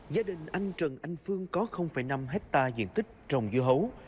gia đình anh trần anh phương có năm hectare diện tích trồng dưa hấu